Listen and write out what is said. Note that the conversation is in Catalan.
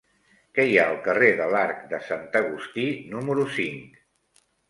Què hi ha al carrer de l'Arc de Sant Agustí número cinc?